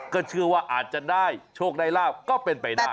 ก็เชื่อว่าอาจจะได้โชคได้ลาบก็เป็นไปได้